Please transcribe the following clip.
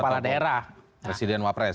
kepala daerah presiden wapres